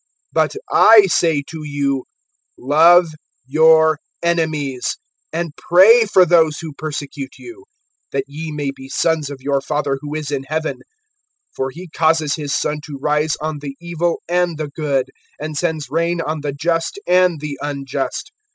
(44)But I say to you, love your enemies, and pray for those who persecute you; (45)that ye may be sons of your Father who is in heaven; for he causes his sun to rise on the evil and the good, and sends rain on the just and the unjust.